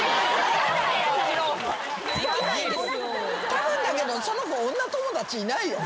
たぶんだけどその子女友達いないよ。